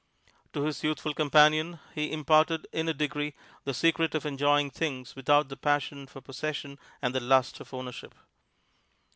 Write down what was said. To his youthful companion he imparted, in a degree, the secret of enjoying things without the passion for possession and the lust of ownership.